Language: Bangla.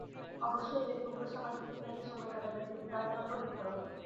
অবশ্যই ফেসবুক বা সামাজিক দুনিয়াতে সময় কাটাবেন কিন্তু তা যেন পরিমিত হয়।